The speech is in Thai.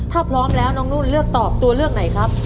ถ้าพร้อมแล้วน้องนุ่นเลือกตอบตัวเลือกไหนครับ